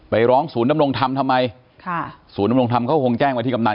ร้องศูนย์ดำรงธรรมทำไมค่ะศูนย์ดำรงธรรมเขาคงแจ้งไว้ที่กำนัน